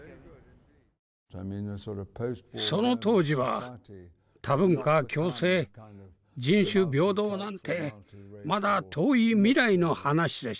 その当時は多文化共生人種平等なんてまだ遠い未来の話でした。